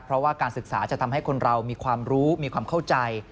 เพราะว่าการศึกษาจะทำให้คนเรามีความรู้มีความเข้าใจ